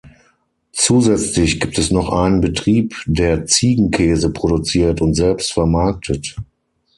Zusätzlich gibt es noch einen Betrieb, der Ziegenkäse produziert und selbst vermarktet.